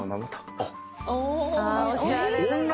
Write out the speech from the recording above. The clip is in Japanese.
おしゃれだな。